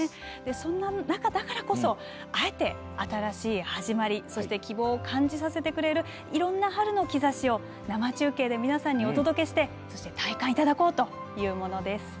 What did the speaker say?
そんな中だからこそあえて新しい始まり、そして希望を感じさせてくれるいろんな「春の兆し」を生中継で皆さんにお届けしてそして、体感いただこうというものです。